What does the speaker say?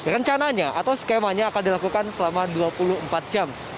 rencananya atau skemanya akan dilakukan selama dua puluh empat jam